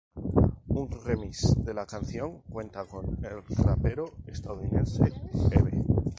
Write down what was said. Un remix de la canción cuenta con el rapero estadounidense Eve.